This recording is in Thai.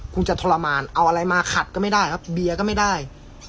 คุณจะทรมานเอาอะไรมาขัดก็ไม่ได้ครับเบียร์ก็ไม่ได้